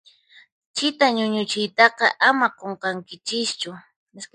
Chita ñuñuchiytaqa ama qunqankichischu.